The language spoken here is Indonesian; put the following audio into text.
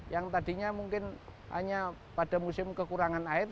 yang tadinya mungkin hanya pada musim kekurangan air